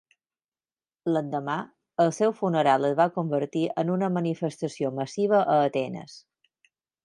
L'endemà, el seu funeral es va convertir en una manifestació massiva a Atenes.